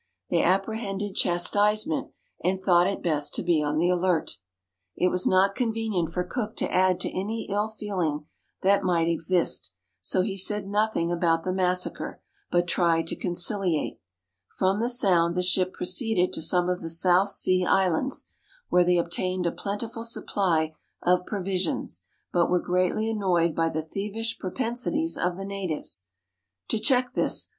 They apprehended chastisement, and thought it best to be on the alert. It was not convenient for Cook to add to any ill feeling that might exist, so he said nothing about the massacre, blit tried to conciliate. From the Sound the ship proceeded to some of the South Sea Islands, where they obtained a plentiful supply of pro visions, but were greatly annoyed by the thievish pro pensities of the natives. To check this.